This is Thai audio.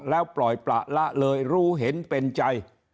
แล้วปล่อยประละเลยรู้เห็นเป็นใจ